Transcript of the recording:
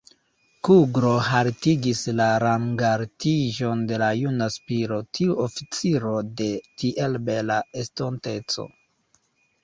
Kuglo haltigis la rangaltiĝon de la juna Spiro, tiu oficiro de tiel bela estonteco!